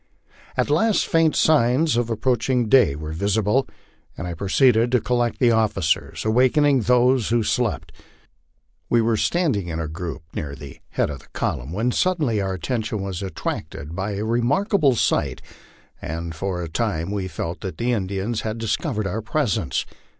At last faint signs of approaching day were visible, and I proceeded to col lect the officers, awakening those who slept. We were standing in a group near the head of the column, when suddenly our attention was attracted by a remarkable sight, and for a time we felt that the Indians had discovered our presence.